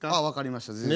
分かりました。